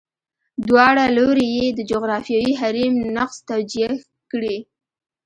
دواړه لوري یې د جغرافیوي حریم نقض توجیه کړي.